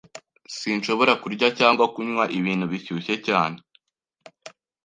Sinshobora kurya cyangwa kunywa ibintu bishyushye cyane.